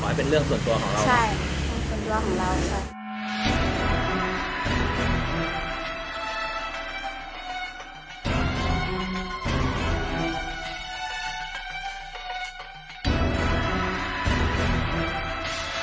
ใช่เป็นเรื่องส่วนตัวของเรา